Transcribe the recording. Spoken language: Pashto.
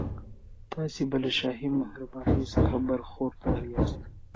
تاسي به له شاهي مهربانیو څخه برخوردار یاست.